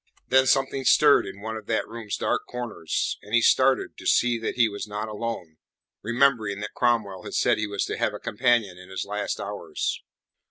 Then something stirred in one of that room's dark corners, and he started, to see that he was not alone, remembering that Cromwell had said he was to have a companion in his last hours.